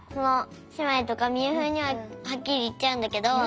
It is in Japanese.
姉妹とか美羽風羽にははっきり言っちゃうんだけど。